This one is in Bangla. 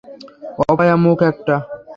অপয়া মুখ একটা!